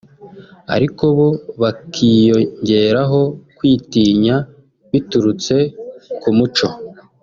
ariko bo hakiyongeraho kwitinya biturutse ku muco